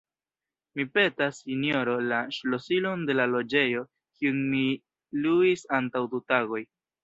Mi petas, sinjoro, la ŝlosilon de la loĝejo, kiun mi luis antaŭ du tagoj.